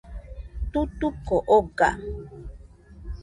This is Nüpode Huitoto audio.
Tutuco oga.